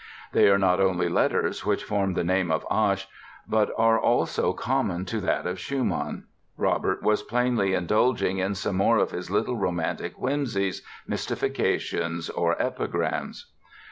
They are not only letters which form the name of "Asch" but are also common to that of "Schumann". Robert was plainly indulging in some more of his little romantic whimsies, mystifications or epigrams!